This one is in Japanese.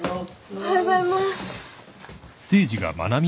おはようございます。